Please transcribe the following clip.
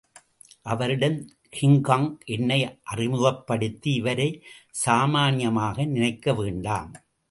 அவரிடம் கிங்காங் என்னை அறிமுகப்படுத்தி இவரை சாமான்யமாக நினைக்க வேண்டாம்.